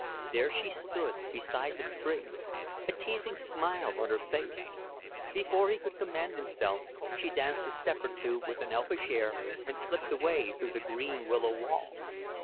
There she stood, beside the spring a teasing smile on her face. Before he could command himself, she danced a step or two, with an elfish air, and slipped away through the green willow wall.